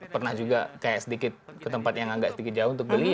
pernah juga kayak sedikit ke tempat yang agak sedikit jauh untuk beli